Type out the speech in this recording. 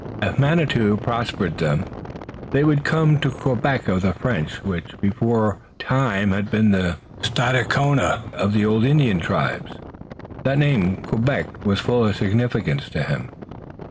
If Manitou prospered them, they would come to the Quebec of the French, which beforetime had been the Stadacona of old Indian tribes. That name, Quebec, was full of significance to him.